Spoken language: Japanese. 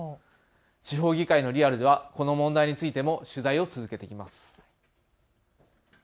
地方議会のリアルではこの問題についても取材を続けていきます。